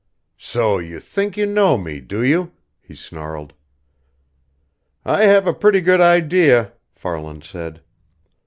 "So you think you know me, do you?" he snarled. "I have a pretty good idea," Farland said.